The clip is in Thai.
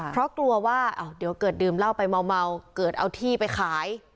เพราะกลัวว่าเดี๋ยวเกิดดื่มเหล้าไปเมาเกิดเอาที่ไปขาย